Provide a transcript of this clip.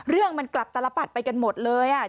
เรื่องมันกลับตลปัดไปกันหมดเลยอ่ะ